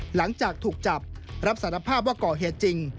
หลังจากถูกจับรับสารภาพว่าก่อเหตุจริง